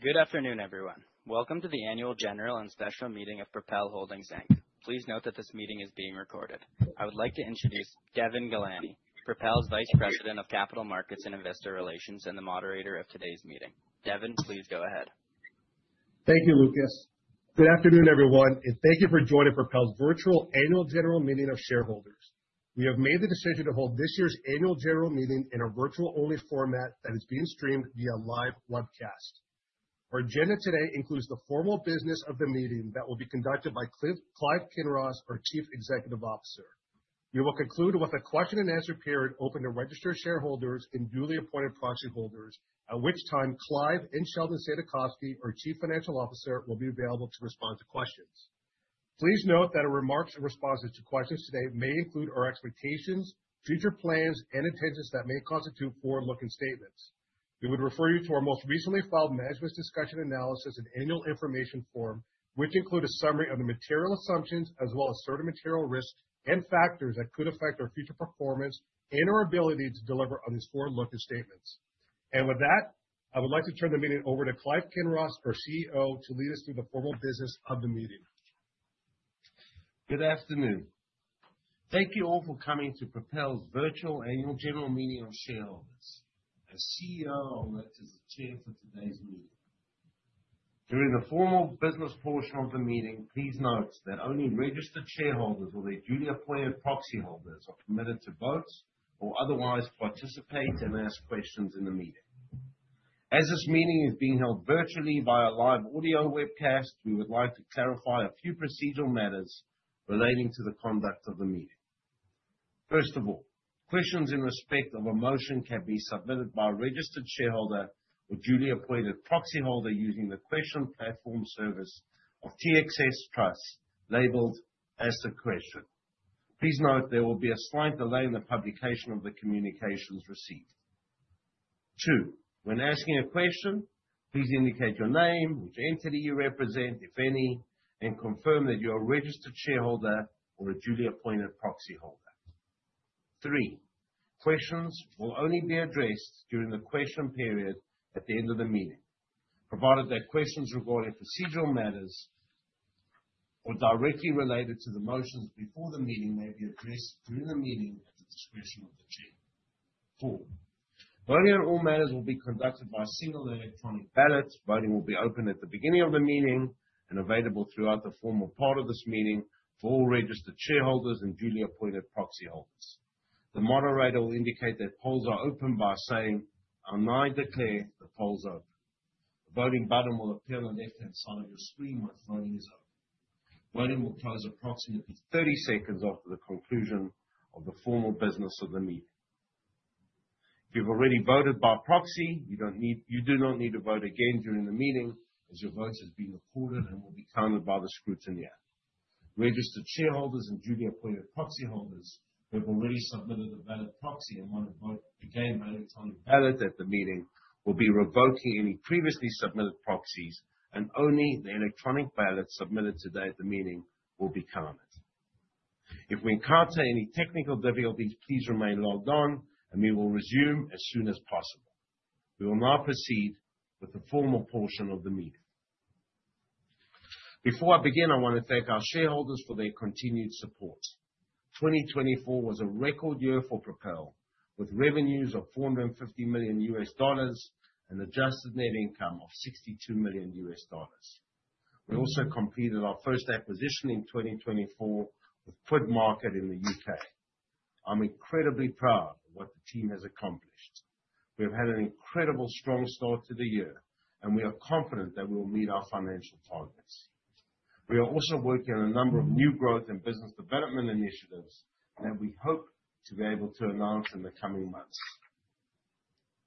Good afternoon, everyone. Welcome to the annual general and special meeting of Propel Holdings. Please note that this meeting is being recorded. I would like to introduce Devon Ghelani, Propel's Vice President of Capital Markets and Investor Relations and the moderator of today's meeting. Devon, please go ahead. Thank you, Lucas. Good afternoon, everyone, and thank you for joining Propel's virtual annual general meeting of shareholders. We have made the decision to hold this year's annual general meeting in a virtual-only format that is being streamed via live webcast. Our agenda today includes the formal business of the meeting that will be conducted by Clive Kinross, our Chief Executive Officer. We will conclude with a question-and-answer period open to registered shareholders and duly appointed proxy holders, at which time Clive and Sheldon Saidakovsky, our Chief Financial Officer, will be available to respond to questions. Please note that our remarks and responses to questions today may include our expectations, future plans, and intentions that may constitute forward-looking statements. We would refer you to our most recently filed Management Discussion and Analysis and Annual Information Form, which includes a summary of the material assumptions as well as certain material risks and factors that could affect our future performance and our ability to deliver on these forward-looking statements. With that, I would like to turn the meeting over to Clive Kinross, our CEO, to lead us through the formal business of the meeting. Good afternoon. Thank you all for coming to Propel's virtual annual general meeting of shareholders. As CEO, I'll act as the chair for today's meeting. During the formal business portion of the meeting, please note that only registered shareholders or their duly appointed proxy holders are permitted to vote or otherwise participate and ask questions in the meeting. As this meeting is being held virtually via live audio webcast, we would like to clarify a few procedural matters relating to the conduct of the meeting. First of all, questions in respect of a motion can be submitted by a registered shareholder or duly appointed proxy holder using the question platform service of TSX Trust labeled Ask A Question. Please note there will be a slight delay in the publication of the communications received. Two, when asking a question, please indicate your name, which entity you represent, if any, and confirm that you're a registered shareholder or a duly appointed proxy holder. Three, questions will only be addressed during the question period at the end of the meeting, provided that questions regarding procedural matters or directly related to the motions before the meeting may be addressed during the meeting at the discretion of the Chair. Four, voting on all matters will be conducted by a single electronic ballot. Voting will be open at the beginning of the meeting and available throughout the formal part of this meeting for all registered shareholders and duly appointed proxy holders. The moderator will indicate that polls are open by saying, "I now declare the polls open." The voting button will appear on the left-hand side of your screen once voting is over. Voting will close approximately 30 seconds after the conclusion of the formal business of the meeting. If you've already voted by proxy, you do not need to vote again during the meeting as your votes are being recorded and will be counted by the scrutineer. Registered shareholders and duly appointed proxy holders who have already submitted a valid proxy and want to vote again by electronic ballot at the meeting will be revoking any previously submitted proxies, and only the electronic ballot submitted today at the meeting will be counted. If we encounter any technical difficulties, please remain logged on, and we will resume as soon as possible. We will now proceed with the formal portion of the meeting. Before I begin, I want to thank our shareholders for their continued support. 2024 was a record year for Propel, with revenues of $450 million and an adjusted net income of $62 million. We also completed our first acquisition in 2024 with QuidMarket in the U.K. I'm incredibly proud of what the team has accomplished. We have had an incredibly strong start to the year, and we are confident that we will meet our financial targets. We are also working on a number of new growth and business development initiatives that we hope to be able to announce in the coming months.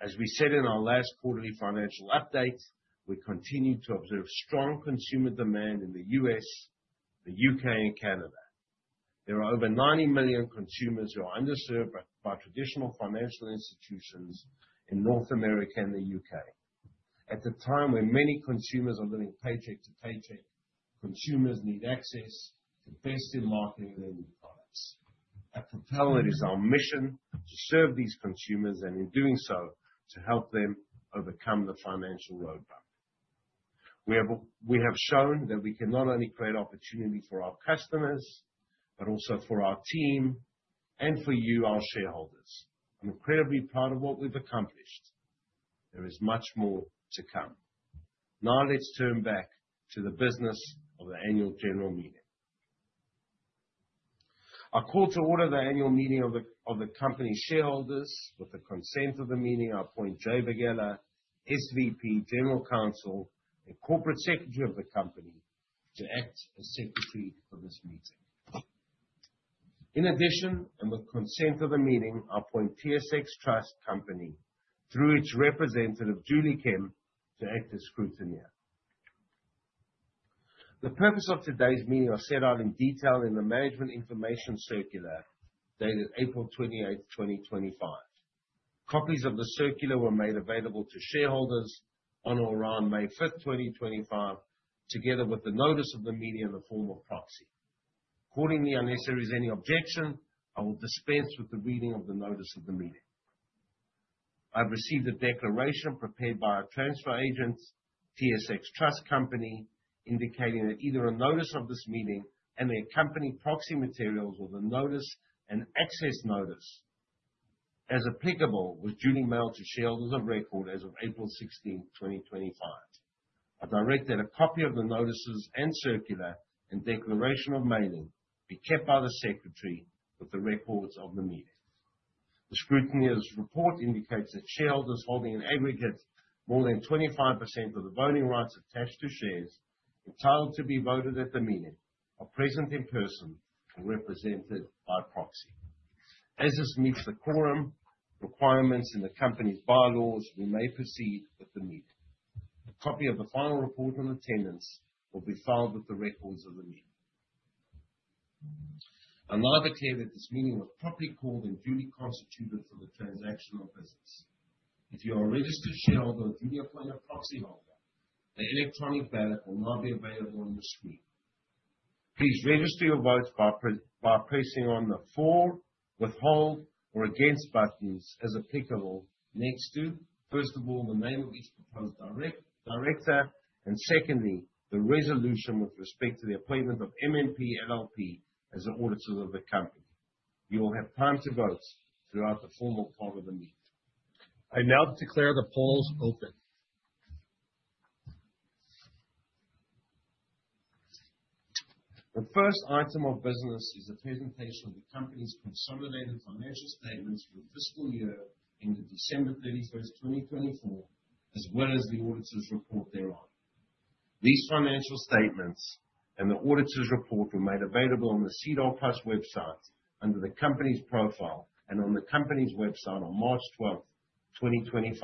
As we said in our last quarterly financial update, we continue to observe strong consumer demand in the U.S., the U.K., and Canada. There are over 90 million consumers who are underserved by traditional financial institutions in North America and the U.K. At a time when many consumers are living paycheck to paycheck, consumers need access to best-in-market and unique products. At Propel, it is our mission to serve these consumers and, in doing so, to help them overcome the financial roadblock. We have shown that we can not only create opportunity for our customers but also for our team and for you, our shareholders. I'm incredibly proud of what we've accomplished. There is much more to come. Now let's turn back to the business of the annual general meeting. I call to order the annual meeting of the company shareholders. With the consent of the meeting, I appoint Jay Verghela, SVP, General Counsel, and Corporate Secretary of the company to act as Secretary for this meeting. In addition, and with consent of the meeting, I appoint TSX Trust Company through its representative, Julie Kim, to act as scrutineer. The purpose of today's meeting is set out in detail in the Management Information Circular dated April 28th, 2025. Copies of the circular were made available to shareholders on or around May 5th, 2025, together with the notice of the meeting in the form of proxy. Accordingly, unless there is any objection, I will dispense with the reading of the notice of the meeting. I have received a declaration prepared by our transfer agents, TSX Trust Company, indicating that either a notice of this meeting and their company proxy materials or the notice and access notice, as applicable, was duly mailed to shareholders of record as of April 16, 2025. I direct that a copy of the notices and circular and declaration of mailing be kept by the Secretary with the records of the meeting. The scrutineer's report indicates that shareholders holding in aggregate more than 25% of the voting rights attached to shares entitled to be voted at the meeting are present in person and represented by proxy. As this meets the quorum requirements and the company's bylaws, we may proceed with the meeting. A copy of the final report on attendance will be filed with the records of the meeting. I now declare that this meeting was properly called and duly constituted for the transactional business. If you are a registered shareholder or duly appointed proxy holder, the electronic ballot will now be available on your screen. Please register your votes by pressing on the for, withhold, or against buttons as applicable next to, first of all, the name of each proposed director, and secondly, the resolution with respect to the appointment of MNP LLP as the auditors of the company. You will have time to vote throughout the formal part of the meeting. I now declare the polls open. The first item of business is the presentation of the company's consolidated financial statements for the fiscal year ended December 31st, 2024, as well as the auditor's report thereof. These financial statements and the auditor's report were made available on the SEDAR+ website under the company's profile and on the company's website on March 12th, 2025.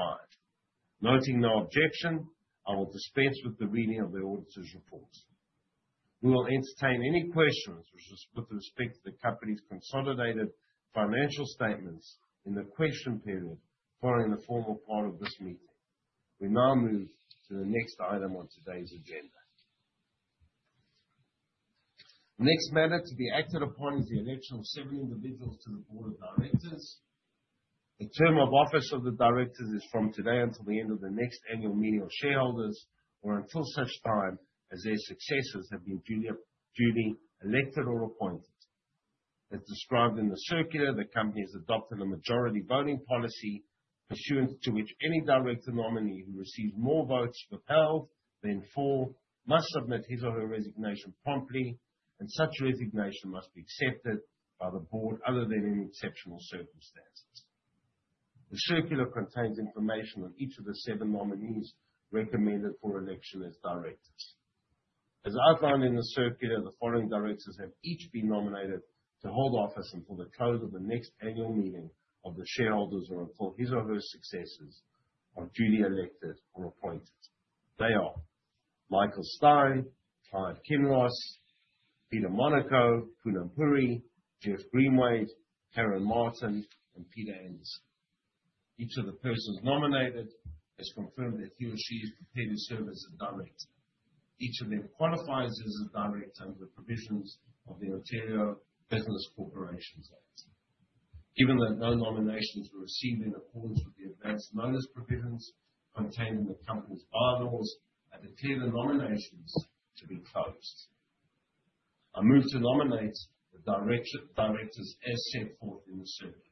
Noting no objection, I will dispense with the reading of the auditor's report. We will entertain any questions with respect to the company's consolidated financial statements in the question period following the formal part of this meeting. We now move to the next item on today's agenda. The next matter to be acted upon is the election of seven individuals to the board of directors. The term of office of the directors is from today until the end of the next annual meeting of shareholders or until such time as their successors have been duly elected or appointed. As described in the circular, the company has adopted a majority voting policy, pursuant to which any director nominee who receives more votes withheld than for must submit his or her resignation promptly, and such resignation must be accepted by the board other than in exceptional circumstances. The circular contains information on each of the seven nominees recommended for election as directors. As outlined in the circular, the following directors have each been nominated to hold office until the close of the next annual meeting of the shareholders who will call his or her successors are duly elected or appointed. They are Michael Stein, Clive Kinross, Peter Monaco, Poonam Puri, Geoff Greenwade, Karen Martin, and Peter Anderson. Each of the persons nominated has confirmed that he or she is prepared to serve as a director. Each of them qualifies as a director under the provisions of the Ontario Business Corporations Act. Given that no nominations were received in accordance with the advanced notice provisions contained in the company's bylaws, I declare the nominations to be closed. I move to nominate the directors as set forth in the circular.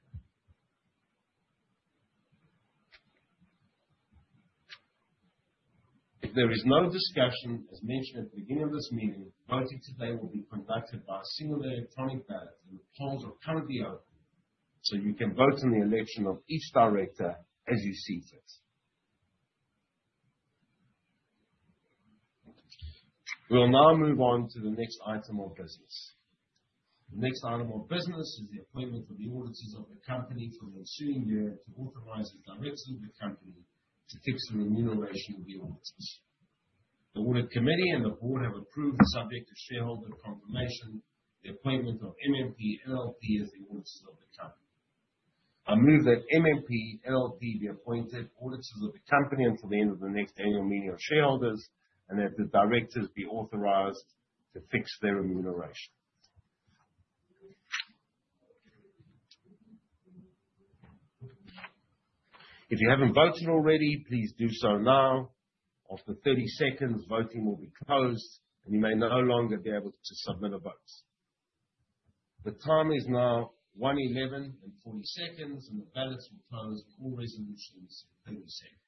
If there is no discussion, as mentioned at the beginning of this meeting, voting today will be conducted by a single electronic ballot, and the polls are currently open, so you can vote on the election of each director as you see fit. We will now move on to the next item of business. The next item of business is the appointment of the auditors of the company for the ensuing year to authorize the directors of the company to fix the remuneration of the auditors. The audit committee and the board have approved, subject to shareholder confirmation, the appointment of MNP LLP as the auditors of the company. I move that MNP LLP be appointed auditors of the company until the end of the next annual meeting of shareholders and that the directors be authorized to fix their remuneration. If you haven't voted already, please do so now. After 30 seconds, voting will be closed, and you may no longer be able to submit a vote. The time is now 1:11:40, and the ballots will close with all resolutions in 30 seconds.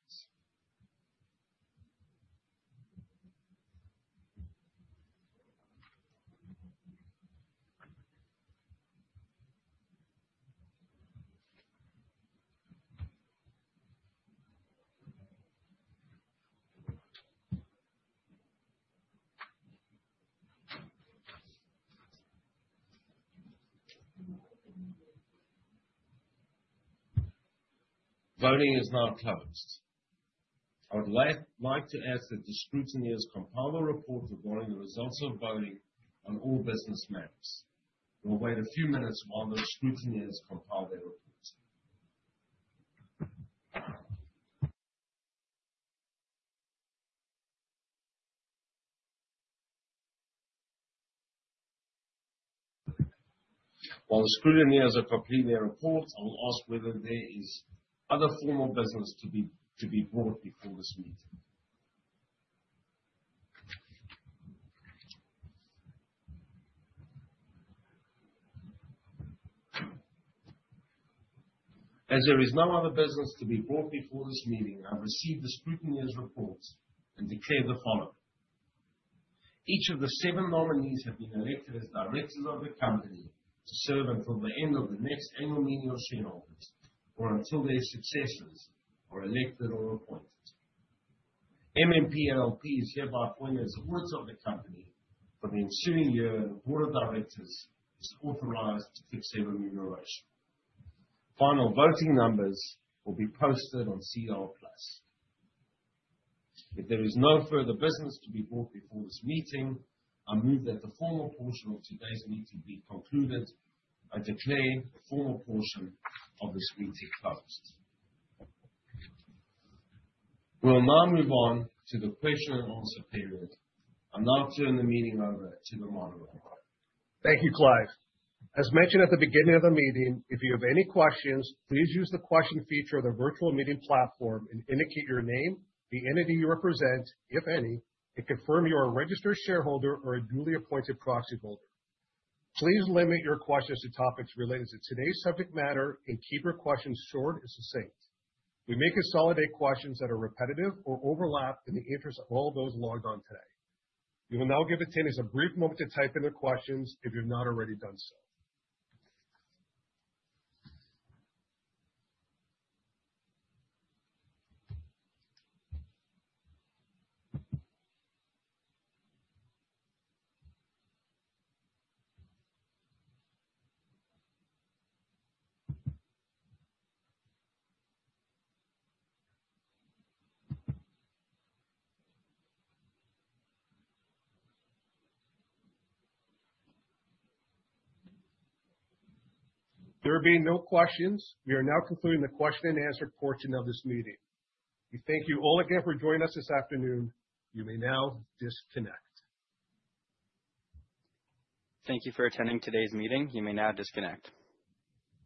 Voting is now closed. I would like to ask that the scrutineers compile the report regarding the results of voting on all business matters. We'll wait a few minutes while the scrutineers compile their report. While the scrutineers are completing their report, I will ask whether there is other formal business to be brought before this meeting. As there is no other business to be brought before this meeting, I have received the scrutineer's report and declare the following. Each of the seven nominees have been elected as directors of the company to serve until the end of the next annual meeting of shareholders or until their successors are elected or appointed. MNP LLP is hereby appointed as the auditor of the company for the ensuing year and the board of directors is authorized to fix their remuneration. Final voting numbers will be posted on SEDAR+. If there is no further business to be brought before this meeting, I move that the formal portion of today's meeting be concluded. I declare the formal portion of this meeting closed. We will now move on to the question and answer period. I now turn the meeting over to the moderator. Thank you, Clive. As mentioned at the beginning of the meeting, if you have any questions, please use the question feature of the virtual meeting platform and indicate your name, the entity you represent, if any, and confirm you are a registered shareholder or a duly appointed proxy holder. Please limit your questions to topics related to today's subject matter and keep your questions short and succinct. We may consolidate questions that are repetitive or overlap in the interest of all those logged on today. You will now give attendees a brief moment to type in their questions if you have not already done so. There being no questions, we are now concluding the question and answer portion of this meeting. We thank you all again for joining us this afternoon. You may now disconnect. Thank you for attending today's meeting. You may now disconnect.